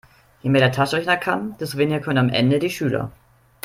Je mehr der Taschenrechner kann, desto weniger können am Ende die Schüler.